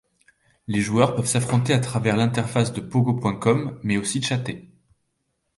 Les joueurs peuvent s'affronter à travers l'interface de Pogo.com, mais aussi chatter.